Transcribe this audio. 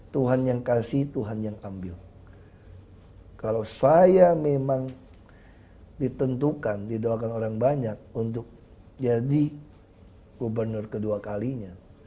tuhan yang kasih tuhan yang ambil kalau saya memang ditentukan didoakan orang banyak untuk jadi gubernur kedua kalinya